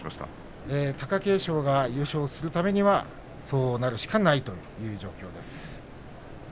貴景勝が優勝するためにはそうなるしかないということです。